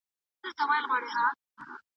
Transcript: لکه د زعفرانو بوی چې نه پټېږي.